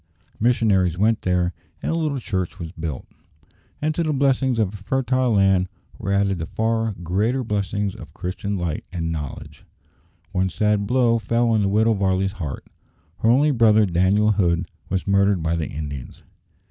Missionaries went there, and a little church was built, and to the blessings of a fertile land were added the far greater blessings of Christian light and knowledge. One sad blow fell on the Widow Varley's heart. Her only brother, Daniel Hood, was murdered by the Indians.